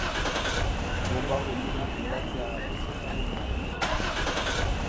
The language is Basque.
Bonba gutunak bidaltzeagatik ezaguna egin zen.